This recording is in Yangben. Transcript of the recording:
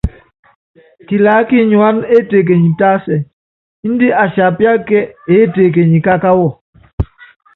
Kilaá kinyuána étekenyi tásɛ, índɛ asiapíaka kíɛ eétekenyi kákáwɔ.